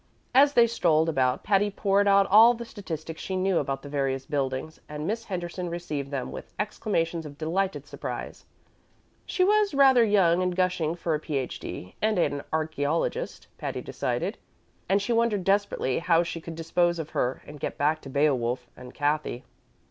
As they strolled about, Patty poured out all the statistics she knew about the various buildings, and Miss Henderson received them with exclamations of delighted surprise. She was rather young and gushing for a Ph.D. and an archæologist, Patty decided, and she wondered desperately how she could dispose of her and get back to "Beowulf" and Cathy.